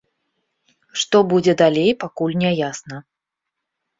Што будзе далей, пакуль не ясна.